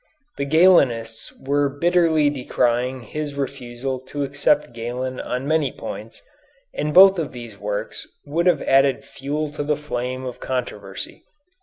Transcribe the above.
The Galenists were bitterly decrying his refusal to accept Galen on many points, and both of these works would have added fuel to the flame of controversy.